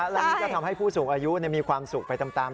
แล้วก็ทำให้ผู้สูงอายุมีความสุขไปตาม